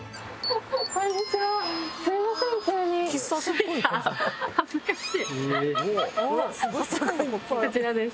こちらです。